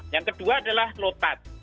yang kedua adalah lotat